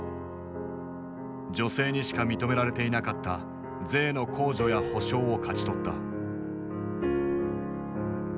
女性にしか認められていなかった税の控除や保障を勝ち取った。